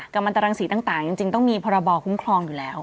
กำวันตารังสีต่างต่างจริงจริงต้องมีพระบอคุ้มครองอยู่แล้ว